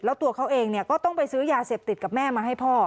แล้วตัวเขาเองเนี่ยก็ต้องไปซื้อยาเสพติดกับแม่มาให้พ่อ